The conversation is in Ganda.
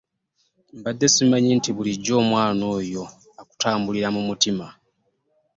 Mbadde simanyi nti bulijjo omwana oyo akutambulira mu mutima.